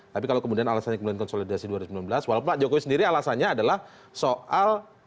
tapi kalau kemudian alasannya kemudian konsolidasi dua ribu sembilan belas walaupun pak jokowi sendiri alasannya adalah soal